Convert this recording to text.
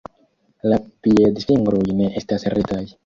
La piedfingroj ne estas retaj.